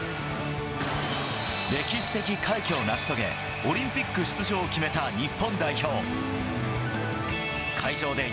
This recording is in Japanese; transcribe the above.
歴史的快挙を成し遂げ、オリンピック出場を決めた日本代表。